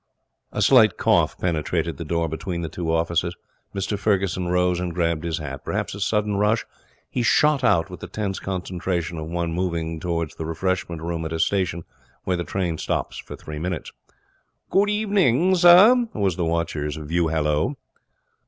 A slight cough penetrated the door between the two offices. Mr Ferguson rose and grabbed his hat. Perhaps a sudden rush he shot out with the tense concentration of one moving towards the refreshment room at a station where the train stops three minutes. 'Good evening, sir!' was the watcher's view hallo.